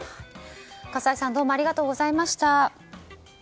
葛西さんどうもありがとうございました。